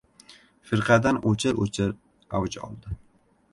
Firqadan o‘chir-o‘chir avj oldi.